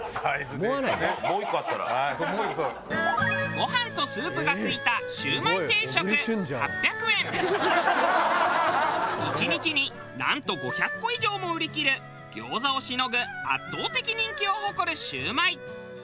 ご飯とスープが付いた１日になんと５００個以上も売り切る餃子をしのぐ圧倒的人気を誇るシュウマイ。